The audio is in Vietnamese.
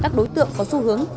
các đối tượng có xu hướng